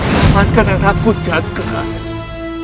selamatkan anakku jaga